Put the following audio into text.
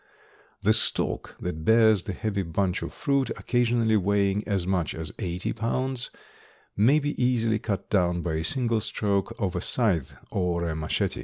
The stalk that bears the heavy bunch of fruit, occasionally weighing as much as eighty pounds, may be easily cut down by a single stroke of a scythe or a machete.